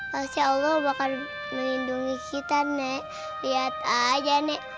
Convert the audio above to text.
masya allah bakal melindungi kita nek lihat aja nek